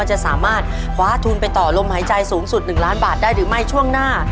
จะสามารถคว้าทุนไปต่อลมหายใจสูงสุด๑ล้านบาทได้หรือไม่ช่วงหน้า